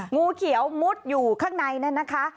งูเขียวมุดอยู่ข้างในนั่นนะคะ